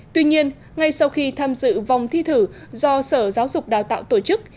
tuy nhiên ngay sau khi tham dự vòng thi thử do sở giáo dục đào tạo tổ chức